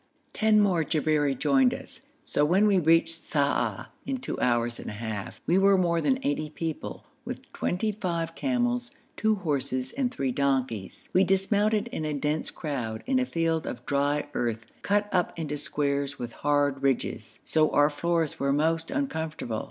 Ten more Jabberi joined us, so when we reached Sa'ah in two hours and a half, we were more than eighty people, with twenty five camels, two horses, and three donkeys. We dismounted in a dense crowd, in a field of dry earth cut up into squares with hard ridges, so our floors were most uncomfortable.